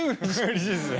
嬉しいですね。